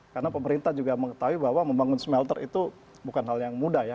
karena pemerintah juga mengetahui bahwa membangun smelter itu bukan hal yang mudah ya